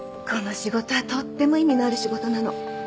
この仕事はとっても意味のある仕事なの。